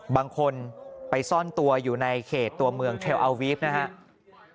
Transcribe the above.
บางคนไปซ่อนตัวอยู่ในเขตตัวเมืองเทลอาวีฟนะครับ